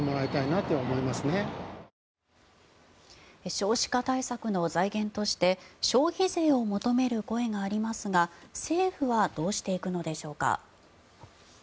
少子化対策の財源として消費税を求める声がありますが政府はどうしていくのでしょうか。